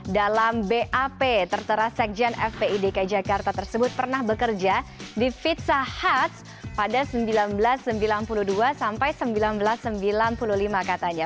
dalam bap tertera sekjen fpi dki jakarta tersebut pernah bekerja di pizza huts pada seribu sembilan ratus sembilan puluh dua sampai seribu sembilan ratus sembilan puluh lima katanya